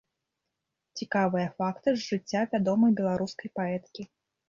Цікавыя факты з жыцця вядомай беларускай паэткі.